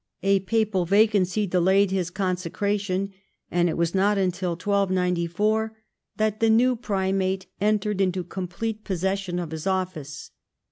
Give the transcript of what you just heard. A papal vacancy delayed his consecration, and it Avas not until 1294 that the new primate entered into complete possession of his office.